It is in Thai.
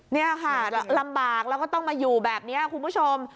นี่ค่ะลำบากแล้วก็ต้องมาอยู่แบบนี้คุณผู้ชม